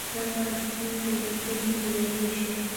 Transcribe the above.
دا په اکتیوم په جګړه کې بریالی شو